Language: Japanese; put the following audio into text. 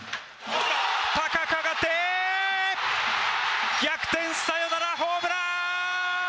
高く上がって逆転サヨナラホームラン！